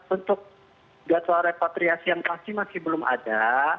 untuk jadwal repatriasi yang pasti masih belum ada